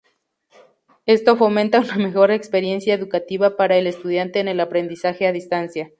Esto fomenta una mejor experiencia educativa para el estudiante en el aprendizaje a distancia.